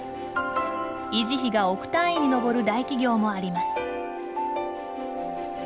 維持費が億単位にのぼる大企業もあります。